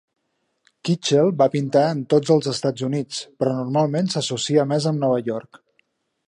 Kitchell va pintar en tots els Estats Units, però normalment s'associa més amb Nova York.